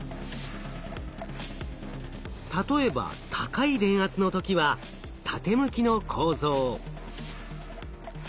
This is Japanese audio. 例えば高い電圧の時は縦向きの構造。